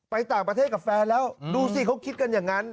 ไปต่างประเทศกับแฟนแล้วดูสิเขาคิดกันอย่างนั้น